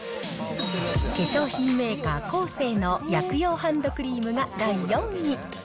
化粧品メーカー、コーセーの薬用ハンドクリームが第４位。